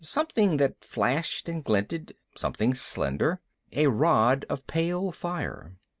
Something that flashed and glinted, something slender. A rod of pale fire.